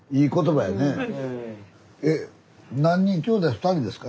２人ですか？